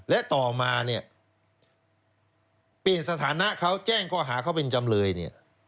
และต่อมาเนี่ยเปลี่ยนสถานะเขาแจ้งข้อหาเขาเป็นจำเลยเนี่ย